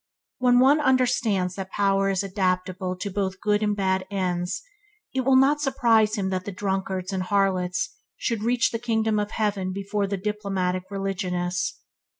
When one understands that power is adaptable to both good and bad ends, it will not surprise him that the drunkards and harlots should reach the kingdom of heaven before the diplomatic religionists.